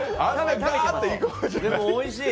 でも、おいしい。